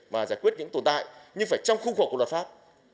và giải quyết những tồn tại nhưng phải trong khu khu của luật pháp